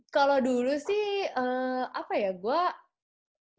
kalau dulu sih apa ya gue